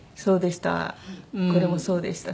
そうでした。